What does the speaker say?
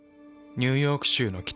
ニューヨーク州の北。